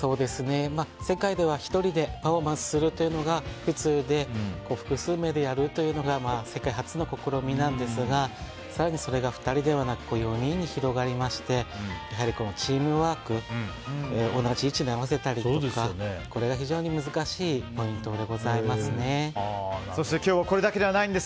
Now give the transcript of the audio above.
世界では１人でパフォーマンスするというのが普通で、複数名でやるというのが世界初の試みなんですが更にそれが２人ではなく４人に広がりましてやはりチームワーク同じ位置で合わせたりとかが非常に難しいそして今日はこれだけではないんです。